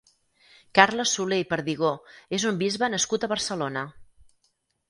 Carles Soler i Perdigó és un bisbe nascut a Barcelona.